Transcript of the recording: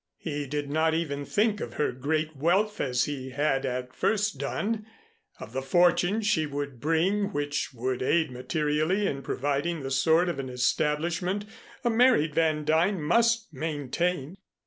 He did not even think of her great wealth as he had at first done, of the fortune she would bring which would aid materially in providing the sort of an establishment a married Van Duyn must maintain.